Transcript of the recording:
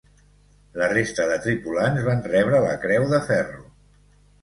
La resta de tripulants van rebre la creu de ferro.